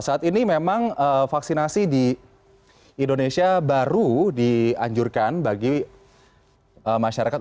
saat ini memang vaksinasi di indonesia baru dianjurkan bagi masyarakat